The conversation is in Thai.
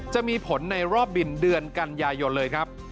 จะมีผลในรอบบินเดือนกันยายนเลยครับ